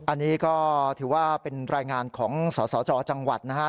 อันนี้ก็ถือว่าเป็นรายงานของสสจจังหวัดนะฮะ